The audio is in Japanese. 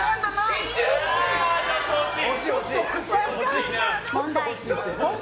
惜しい。